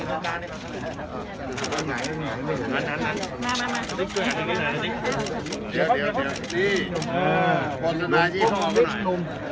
ขอปกป้องหน่อยครับ